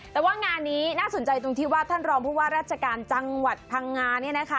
แต่ว่างานนี้น่าสนใจตรงที่ว่าท่านรองผู้ว่าราชการจังหวัดพังงาเนี่ยนะคะ